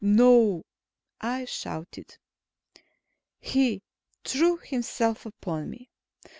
"No!" I shouted. He threw himself upon me.